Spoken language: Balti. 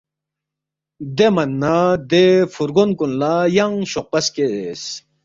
دے من نہ دے فُورگون کُن لہ ینگ شوقپہ سکیس